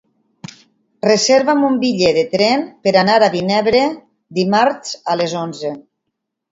Reserva'm un bitllet de tren per anar a Vinebre dimarts a les onze.